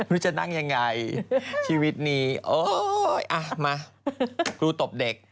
มึงจะนั่งอย่างไรชีวิตนี้มาครูตบเด็ก